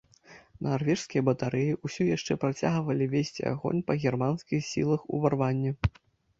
Нарвежскія батарэі ўсё яшчэ працягвалі весці агонь па германскіх сілах уварвання.